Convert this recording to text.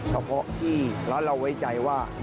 เฉพาะที่ร้านเราไว้ใจว่า